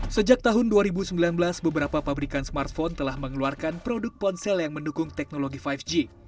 sejak tahun dua ribu sembilan belas beberapa pabrikan smartphone telah mengeluarkan produk ponsel yang mendukung teknologi lima g